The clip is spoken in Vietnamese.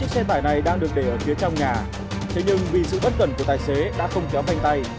xe tải này đang được để ở phía trong nhà thế nhưng vì sự bất cần của tài xế đã không kéo tay